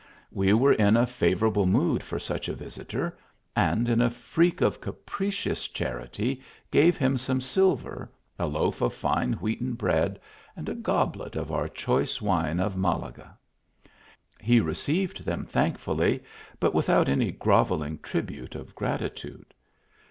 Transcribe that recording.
We were in a favourable mood for such a vis itor, and in a freak of capricious charity gave him some silver, a loaf of fine whoaten bread, and a gob let of our choice wine of Malaga. He received them thankfully, but without any grovelling tribute of grat itude.